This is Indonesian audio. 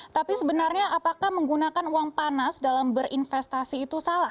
tapi sebenarnya apakah menggunakan uang panas dalam berinvestasi itu salah